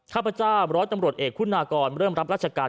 ข้าพเจ้าร้อยตำรวจเอกคุณากรเริ่มรับราชการ